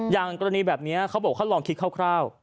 อย่างกรณีแบบนี้เขาบอกเขาลองคิดคร่าว